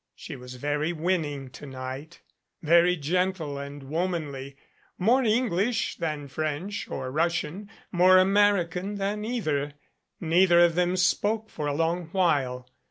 She was very winning to night very gentle and wom anly more English than French or Russian, more Ameri can than either. Neither of them spoke for a long while.